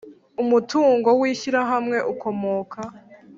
Umutungo w Ishyirahamwe ukomoka